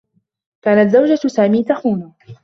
كانت زوجة سامي تخونه.